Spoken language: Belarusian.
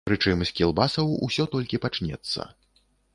Прычым з кілбасаў усё толькі пачнецца.